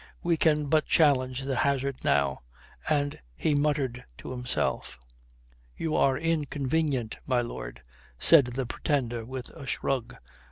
"We can but challenge the hazard now," and he muttered to himself. "You are inconvenient, my lord," says the Pretender with a shrug.